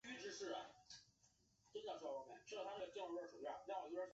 宋太祖孝惠贺皇后之侄。